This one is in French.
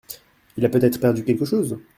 Il a peut-être perdu quelque chose ?